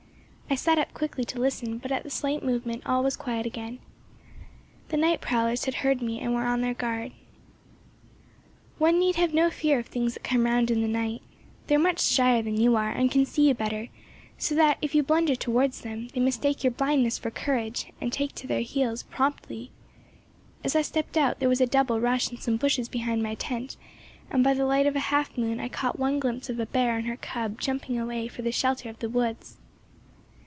I sat up quickly to listen; but at the slight movement all was quiet again. The night prowlers had heard me and were on their guard. One need have no fear of things that come round in the night. They are much shyer than you are, and can see you better; so that, if you blunder towards them, they mistake your blindness for courage, and take to their heels promptly. As I stepped out there was a double rush in some bushes behind my tent, and by the light of a half moon I caught one glimpse of a bear and her cub jumping away for the shelter of the woods.